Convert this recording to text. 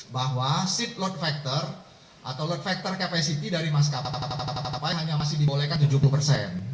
bahwa seat load factor atau load factor capacity dari maskapai hanya masih dibolehkan tujuh puluh persen